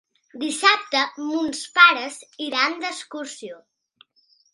Dissabte mons pares iran d'excursió.